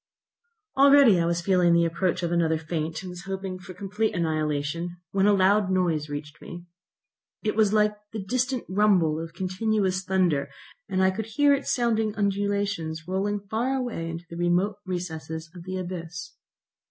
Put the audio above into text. Already I was feeling the approach of another faint, and was hoping for complete annihilation, when a loud noise reached me. It was like the distant rumble of continuous thunder, and I could hear its sounding undulations rolling far away into the remote recesses of the abyss.